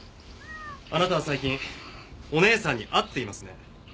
あなたは最近お姉さんに会っていますね？